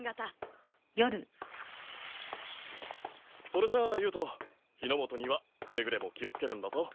それじゃあ優人火の元にはくれぐれも気を付けるんだぞ。